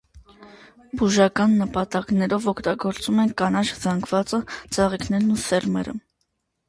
Բուժական նպատակներով օգտագործում են կանաչ զանգվածը, ծաղիկներն ու սերմերը։